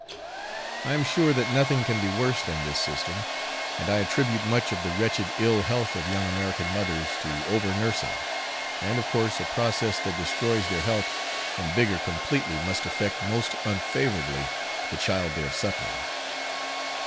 I am sure that nothing can be worse than this system, and I attribute much of the wretched ill health of young American mothers to over nursing; and of course a process that destroys their health and vigour completely must affect most unfavourably the child they are suckling.